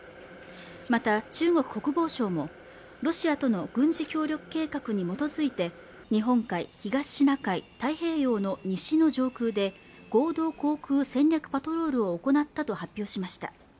また中国国防省もロシアとの軍事協力計画に基づいて日本海東シナ海太平洋の西の上空で合同航空戦略パトロールを行ったと発表しました